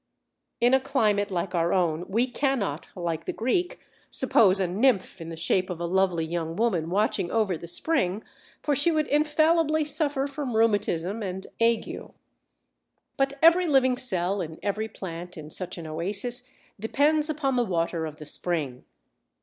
In a climate like our own we cannot, like the Greek, suppose a Nymph in the shape of a lovely young woman watching over the spring, for she would infallibly suffer from rheumatism and ague. But every living cell in every plant in such an oasis depends upon the water of the spring.